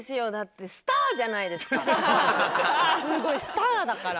すごいスターだから。